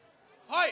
はい！